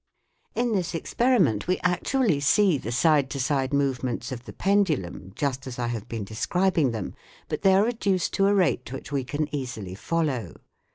In this experiment we actually see the side to 8 THE WORLD OP SOUND side movements of the pendulum just as I have been describing them, but they are reduced to a rate which we can easily follow.